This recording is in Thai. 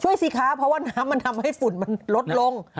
สิคะเพราะว่าน้ำมันทำให้ฝุ่นมันลดลง